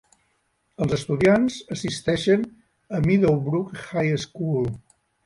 Els estudiants assisteixen a Meadowbrook High School.